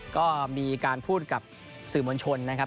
ก็มีการพูดกับสื่อมวลชนนะครับ